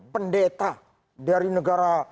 pendeta dari negara